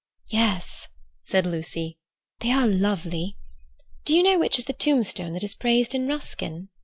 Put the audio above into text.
"Yes," said Lucy. "They are lovely. Do you know which is the tombstone that is praised in Ruskin?"